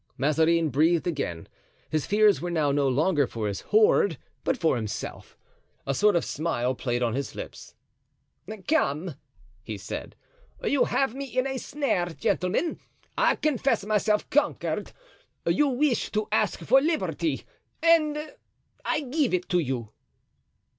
Mazarin breathed again. His fears were now no longer for his hoard, but for himself. A sort of smile played on his lips. "Come," he said, "you have me in a snare, gentlemen. I confess myself conquered. You wish to ask for liberty, and—I give it you."